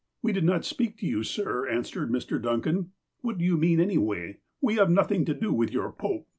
"We did not speak to you, sir," answered Mr. Duncan. "What do you mean, anyway? We have nothing to do with your Pope.